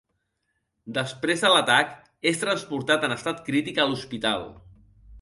Després de l'atac, és transportat en estat crític a l'hospital.